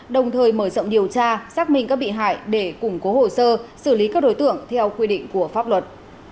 đồng thời mở rộng điều tra xác minh các bị hại để củng cố hồ sơ xử lý các đối tượng theo quy định của pháp luật